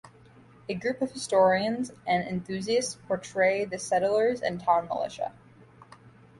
A group of historians and enthusiasts portray the settlers and town militia.